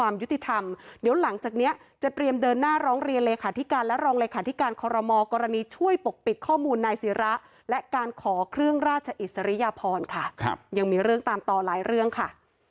มีเรื่องตามต่อหลายเรื่องค่ะ